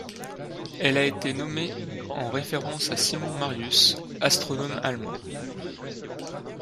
Elle a été nommée en référence à Simon Marius, astronome allemand.